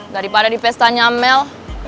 daripada di pesta nyamel